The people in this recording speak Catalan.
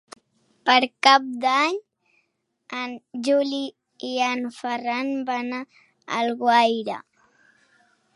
Per Cap d'Any en Juli i en Ferran van a Alguaire.